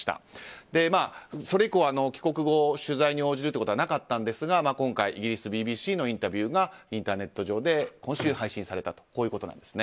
それ以降、帰国後取材に応じるということはなかったんですが今回、イギリスＢＢＣのインタビューがインターネット上で今週、配信されました。